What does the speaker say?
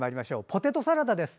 ポテトサラダです。